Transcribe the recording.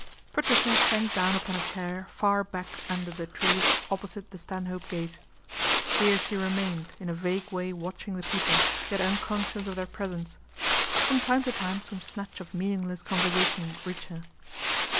Patricia sank down upon a chair far back under the trees opposite the Stanhope Gate. Here she remained in a vague way watching the people, yet unconscious of their presence. From time to time some snatch of meaningless conversation would reach her.